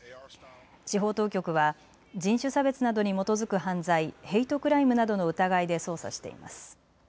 司法当局は人種差別などに基づく犯罪、ヘイトクライムなどの疑いで捜査しています。